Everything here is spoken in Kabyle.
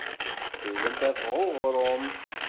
Selbent ɣef uɣrum.